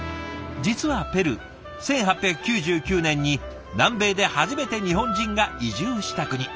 実はペルー１８９９年に南米で初めて日本人が移住した国。